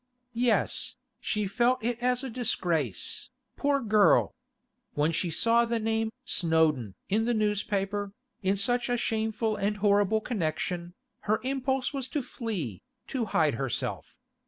Yes, she felt it as a disgrace, poor girl! When she saw the name 'Snowdon' in the newspaper, in such a shameful and horrible connection, her impulse was to flee, to hide herself.